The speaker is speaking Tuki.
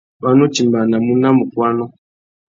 Wá nú timbānamú nà mukuânô.